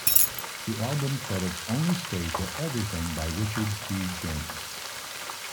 The album credits only state that Everything by Richard D. James.